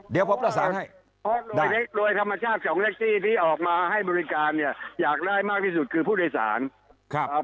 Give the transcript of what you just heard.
เดี๋ยวผมประสานให้แต่ในโดยธรรมชาติสองแท็กซี่ที่ออกมาให้บริการเนี่ยอยากได้มากที่สุดคือผู้โดยสารครับ